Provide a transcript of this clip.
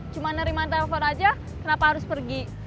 cuma nerima telepon aja kenapa harus pergi